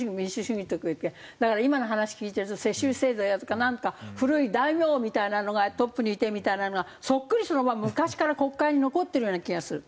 だから今の話聞いてると世襲制度とかなんか古い大名みたいなのがトップにいてみたいなのがそっくりそのまま昔から国会に残ってるような気がする。